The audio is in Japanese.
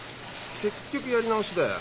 結局やり直しだよ。